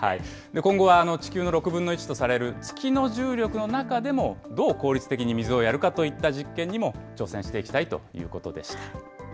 今後は地球の６分の１とされる月の重力の中でも、どう効率的に水をやるかといった実験にも挑戦していきたいということでした。